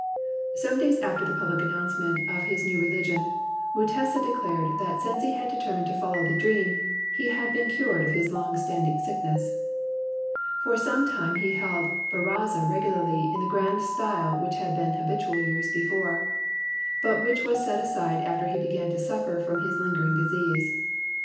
Some days after the public announcement of his new religion, Mutesa declared that since he had determined to follow the dream, he had been cured of his long standing sick ness. For some time he held baraza regu larly in the grand style which had been hab itual years before, but which was set aside after he began to suffer from his lingering disease.